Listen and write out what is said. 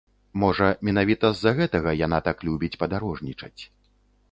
Можа, менавіта з-за гэтага яна так любіць падарожнічаць.